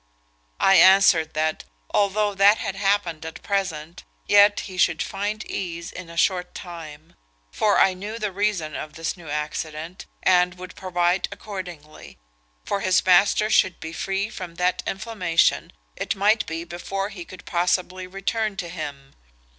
I answered that, although that had happened at present, yet he should find ease in a short time; for I knew the reason of this new accident, and would provide accordingly; for his master should be free from that inflammation, it might be before he could possibly return to him.